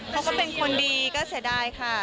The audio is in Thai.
เขาก็เป็นคนดีก็เสียดายค่ะ